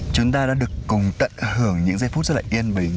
chúng ta đã được cùng tận hưởng những giây phút rất là yên bình